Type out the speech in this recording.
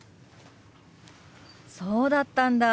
そうだったんだ。